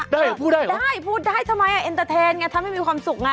พูดได้ได้พูดได้ทำไมเอ็นเตอร์เทนไงทำให้มีความสุขไง